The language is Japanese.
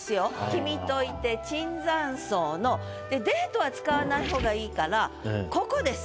「君とゐて椿山荘の」で「デート」は使わない方がいいからここです。